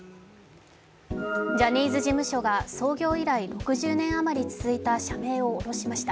ジャニーズ事務所が創業以来６０年余り続いた社名をおろしました。